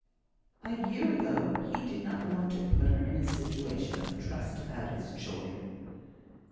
"A year ago he did not want to put her in a situation of trust about his children."